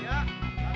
ya udah sekarang